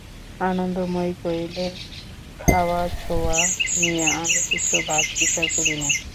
আনন্দময়ী কহিলেন, খাওয়াছোঁওয়া নিয়ে আমি কিছু বাছ-বিচার করি নে।